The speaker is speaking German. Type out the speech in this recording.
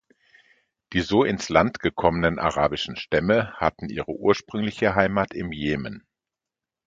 Die so ins Land gekommenen arabischen Stämme hatten ihre ursprüngliche Heimat im Jemen.